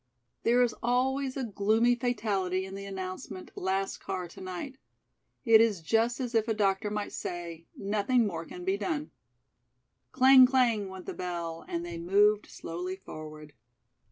There is always a gloomy fatality in the announcement, "Last car to night." It is just as if a doctor might say: "Nothing more can be done." Clang, clang, went the bell, and they moved slowly forward.